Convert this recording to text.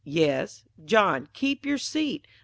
_ Yes. John, keep your seat.